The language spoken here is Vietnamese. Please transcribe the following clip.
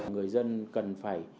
người dân cần phải